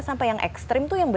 sampai yang ekstrim tuh yang mulai